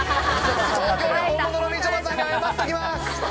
東京で本物のみちょぱさんに謝っときます。